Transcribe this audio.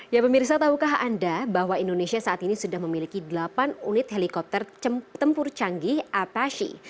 ya pemirsa taukah anda bahwa indonesia saat ini sudah memiliki delapan unit helikopter tempur canggih apashi